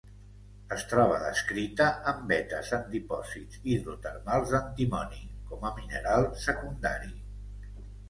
Es troba descrita en vetes en dipòsits hidrotermals d'antimoni, com a mineral secundari.